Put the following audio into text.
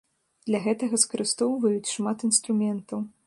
Для гэтага скарыстоўваюць шмат інструментаў.